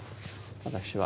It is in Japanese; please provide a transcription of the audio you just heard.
私は。